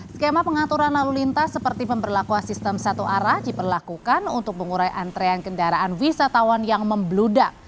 skema pengaturan lalu lintas seperti pemberlakuan sistem satu arah diperlakukan untuk mengurai antrean kendaraan wisatawan yang membludak